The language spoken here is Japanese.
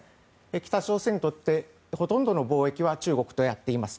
北朝鮮にとってほとんどの貿易は中国とやっています。